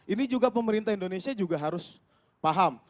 ini juga pemerintah indonesia juga harus paham